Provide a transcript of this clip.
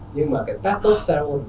nhưng mà cái testosterone